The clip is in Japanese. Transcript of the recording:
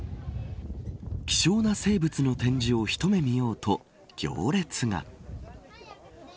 希少な生物の展示を一目見ようと行列が。